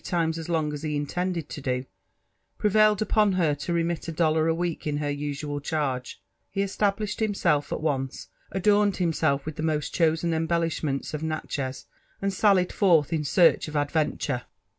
times as long as he intended to do, prevailed upon her to remit a dollar a week in her usual eharge, he established himself at once, adorned himself with the moat chosen embellishments of Natchez, and sallied forth in search of adventure.